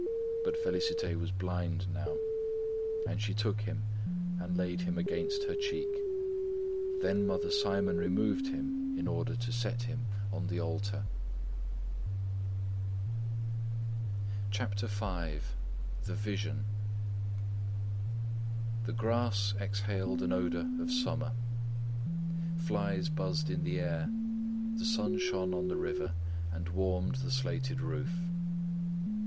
But Félicité was blind now, and she took him and laid him against her cheek. Then Mother Simon removed him in order to set him on the altar. CHAPTER V THE VISION The grass exhaled an odour of summer; flies buzzed in the air, the sun shone on the river and warmed the slated roof.